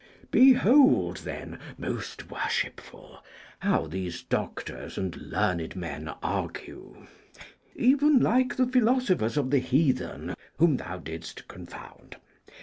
Behold, then, most worshipful, how these doctors and learned men argue, even like the philosophers of the heathen whom thou didst confound.